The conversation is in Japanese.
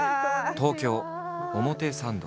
東京表参道。